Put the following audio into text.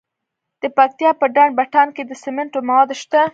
د پکتیا په ډنډ پټان کې د سمنټو مواد شته.